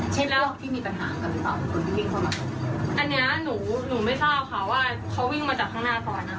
ชนลอกที่มีปัญหากันหรือเปล่า